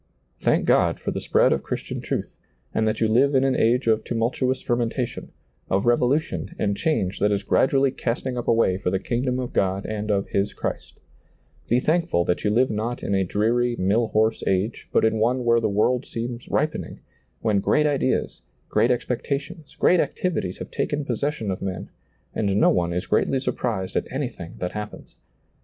Thank God for the spread of Christian truth, and that you live in an age of tumultuous fermentation, of revolution and change that is ^lailizccbvGoOgle i62 SEEING DARKLY gradually casting up a way for the kingdom of God and of His Christ Be thankful that you live not in a dreary mill horse age, but in one when the world seems ripening, when great ideas, great expectations, great activities have taken possession of men, and no one is greatly surprised at anything that happens.